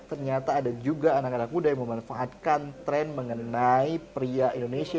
ternyata ada juga anak anak muda yang memanfaatkan tren mengenai pria indonesia